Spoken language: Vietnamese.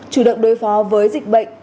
chủ động đối phó với dịch bệnh